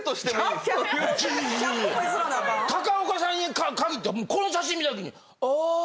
ちょちょ高岡さんに限ってはこの写真見たときに。